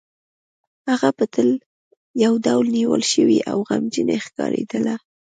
هغه به تل یو ډول نیول شوې او غمجنې ښکارېدله